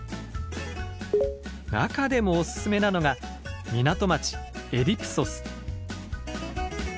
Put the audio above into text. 中でもおすすめなのが港町エディプソス。